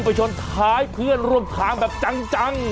ไปชนท้ายเพื่อนร่วมทางแบบจัง